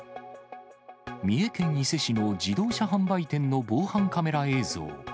三重県伊勢市の自動車販売店の防犯カメラ映像。